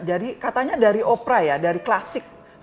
jadi katanya dari opera ya dari klasik